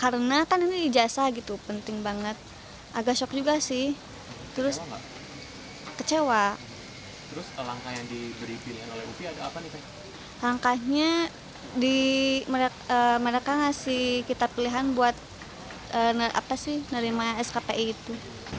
rangkanya mereka ngasih kita pilihan buat nerima skpi itu